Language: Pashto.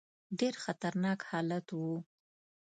ډېر خطرناک حالت وو.